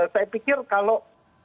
saya pikir kalau